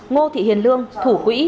ngô thị hiền lương thủ quỹ